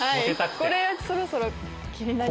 これそろそろ気になります。